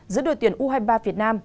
giữa đội tuyển u hai mươi ba việt nam